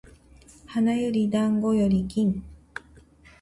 花より団子より金